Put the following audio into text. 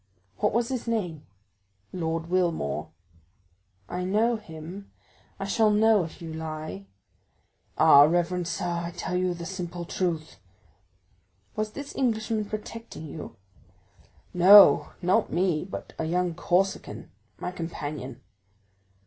"What was his name?" "Lord Wilmore." "I know him; I shall know if you lie." "Ah, reverend sir, I tell you the simple truth." "Was this Englishman protecting you?" "No, not me, but a young Corsican, my companion."